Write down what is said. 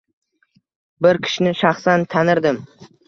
Bir kishini shaxsan tanirdim.